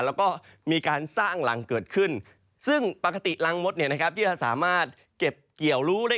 แล้วก็มีการสร้างรังเกิดขึ้นซึ่งปกติรังมดที่จะสามารถเก็บเกี่ยวรู้ได้